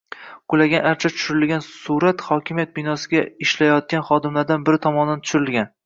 Qulagan archa tushirilgan surat hokimiyat binosida ishlayotgan xodimlaridan biri tomonidan tushirilgan.